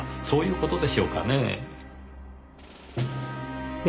そういう事でしょうかねぇ？